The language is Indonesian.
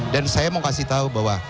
dan saya mau kasih tau bahwa